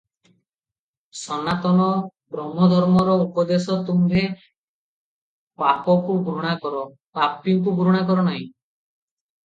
ସନାତନ ବ୍ରହ୍ମଧର୍ମର ଉପଦେଶ ତୁମ୍ଭେ ପାପକୁ ଘୃଣା କର, ପାପୀକୁ ଘୃଣା କର ନାହିଁ ।